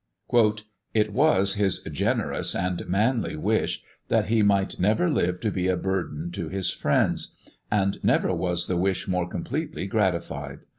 "It was his generous and manly wish, that he might never live to be a burden to his friends; and never was the wish more completely gratified.